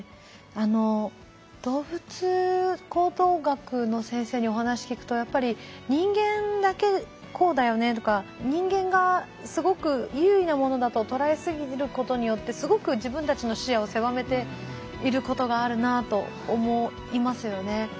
あの動物行動学の先生にお話聞くとやっぱり人間だけこうだよねとか人間がすごく優位なものだと捉えすぎることによってすごく自分たちの視野を狭めていることがあるなと思いますよね。